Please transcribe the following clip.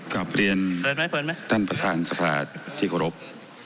กลับเรียนต้านประธานสภาษณ์ที่โครงรบิต